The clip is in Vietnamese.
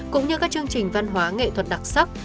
cũng như các chương trình văn hóa nghệ thuật đặc sắc